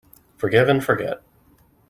Forgive and forget.